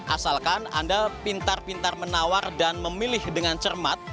asalkan anda pintar pintar menawar dan memilih dengan cermat